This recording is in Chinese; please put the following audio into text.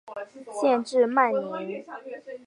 县治曼宁。